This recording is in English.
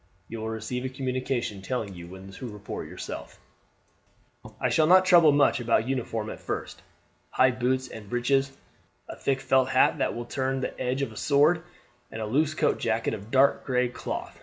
You will receive a communication telling you when to report yourself. "I shall not trouble much about uniform at first. High boots and breeches, a thick felt hat that will turn the edge of a sword, and a loose coat jacket of dark gray cloth.